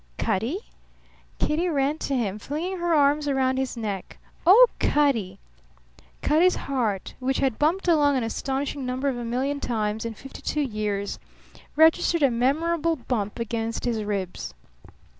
"Cutty?" Kitty ran to him, flinging her arms round his neck. "Oh, Cutty!" Cutty's heart, which had bumped along an astonishing number of million times in fifty two years, registered a memorable bump against his ribs.